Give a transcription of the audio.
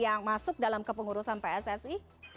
yang masuk dalam kepengurusan pssi